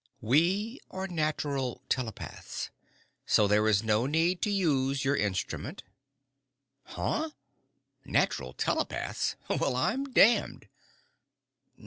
"We are natural telepaths. So there is no need to use your instrument." "Uh? Natural telepaths! Well, I'm damned!"